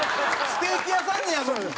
ステーキ屋さんやのに？